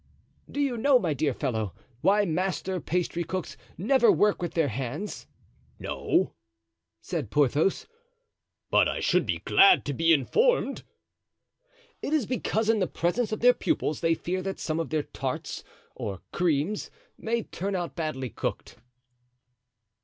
"Do you know, my dear fellow, why master pastrycooks never work with their hands?" "No," said Porthos, "but I should be glad to be informed." "It is because in the presence of their pupils they fear that some of their tarts or creams may turn out badly cooked."